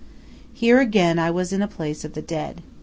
Here again I was in a place of the dead.